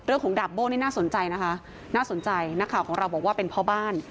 ของดาบโบ้นี่น่าสนใจนะคะน่าสนใจนักข่าวของเราบอกว่าเป็นพ่อบ้าน